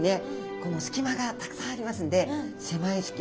この隙間がたくさんありますんでなるほど！